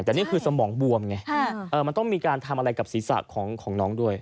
แต่นี่คือสมองบวมไงมันต้องมีการทำอะไรกับศีรษะของน้องด้วย